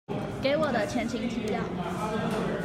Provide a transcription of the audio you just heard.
給我的前情提要